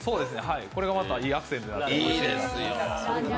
これがまたいいアクセントになっています。